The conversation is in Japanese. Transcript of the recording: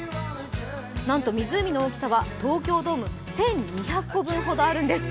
なんと湖の大きさは東京ドーム１２００個分あるんです。